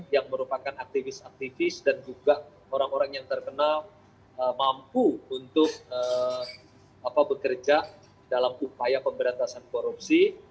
yang merupakan aktivis aktivis dan juga orang orang yang terkenal mampu untuk bekerja dalam upaya pemberantasan korupsi